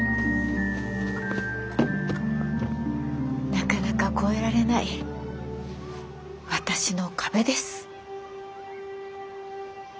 なかなか越えられない私の壁です。